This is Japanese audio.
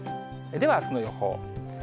では、あすの予報。